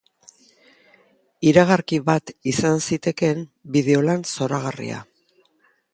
Iragarki bat izan zitekeen bideolan zoragarria.